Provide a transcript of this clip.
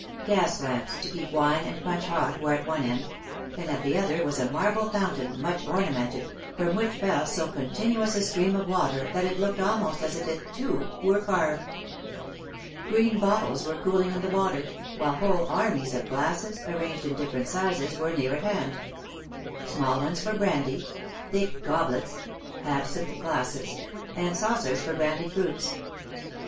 Gas lamps, to keep wine and punch hot, were at one end, and at the other was a marble foun tain, much ornamented, from which fell so continuous a stream of water that it looked almost as if it, too, were carved. Green bottles were cooling in the water, while whole armies of glasses, arranged in different sizes, were near at hand — small ones for brandy, thick goblets, absinthe glasses, and saucers for brandied fruits.